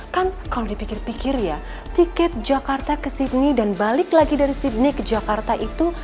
kan kalau dipikir pikir ya tiket jakarta ke sydney dan balik lagi dari sydney ke jakarta itu